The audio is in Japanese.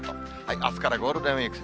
あすからゴールデンウィーク。